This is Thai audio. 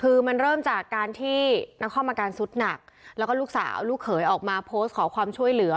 คือมันเริ่มจากการที่นครอาการสุดหนักแล้วก็ลูกสาวลูกเขยออกมาโพสต์ขอความช่วยเหลือ